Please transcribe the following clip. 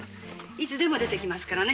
いつでも出てきますからね。